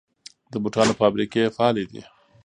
د بوټانو فابریکې فعالې دي؟